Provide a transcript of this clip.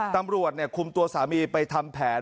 ตำรวจคุมตัวสามีไปทำแผน